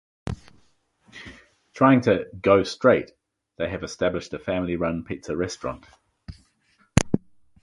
Trying to "go straight," they have established a family-run pizza restaurant.